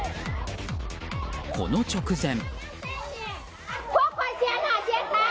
この直前。